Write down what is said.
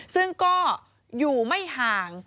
ซึ่งก็อยู่ไม่ห่าง